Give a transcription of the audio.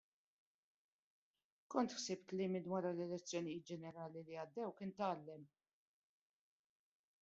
Kont ħsibt li minn wara l-elezzjonijiet ġenerali li għaddew kien tgħallem.